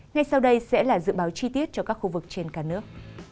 ngay sau đây sẽ là dự báo chi tiết cho các khu vực trên cả nước